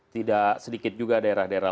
tidak sedikit juga daerah daerah